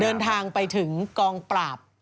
เดินทางไปถึงกองปราบ